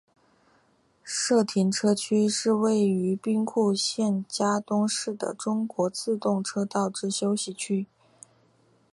社停车区是位于兵库县加东市的中国自动车道之休息区。